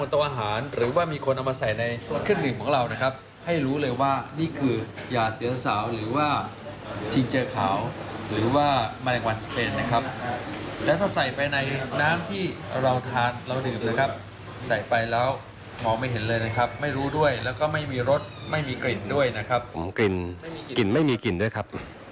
รสก็ไม่มีรสชาติที่จะแปลงผ่านไปเท่าไหร่ครับ